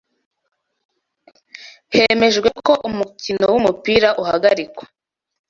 Hemejwe ko umukino wumupira uhagarikwa.